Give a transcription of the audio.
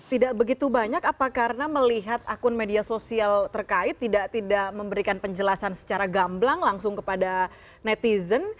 tidak begitu banyak apa karena melihat akun media sosial terkait tidak memberikan penjelasan secara gamblang langsung kepada netizen